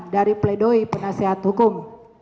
dari pledoi penasehat hukum